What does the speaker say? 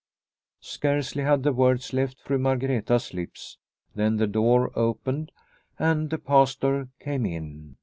Scarcely had the words left Fru Margreta's lips than the door opened and the Pastor came in.